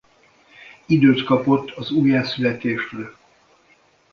Időt kapott az újjászületésre.